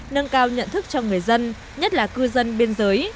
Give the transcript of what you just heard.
nâng cao nhận thức cho người dân nhất là cư dân biên giới